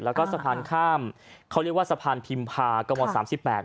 แล้วก็สะพานข้ามเขาเรียกว่าสะพานพิมพากมสามสิบแปด